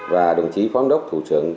và đồng chí phóng đốc thủ trưởng